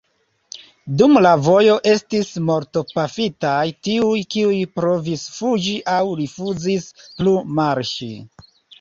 Dum la vojo estis mortpafitaj tiuj, kiuj provis fuĝi aŭ rifuzis plu marŝi.